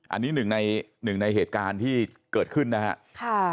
อันนี้หนึ่งในเหตุการณ์ที่เกิดขึ้นนะฮะ